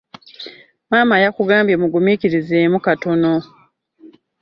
Maama yakugambye muguminkirizeemu katono.